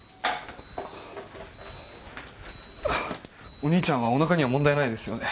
お兄ちゃんはおなかには問題ないですよね？